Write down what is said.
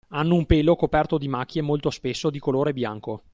Hanno un pelo coperto di macchie molto spesso di colore bianco.